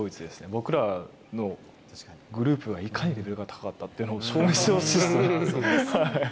僕らのグループがいかにレベルが高かったかというのを証明してほしいですね。